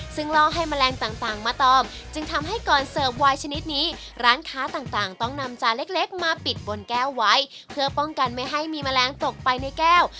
ซึ่งล่อให้แมลงต่างมาตอมจึงทำให้ก่อนเสิร์ฟวายชนิดนี้ร้านค้าต่างต้องนำจานเล็กมาปิดบนแก้วไว้เพื่อป้องกันไม่ให้มีแมลงตกไปในแก้ว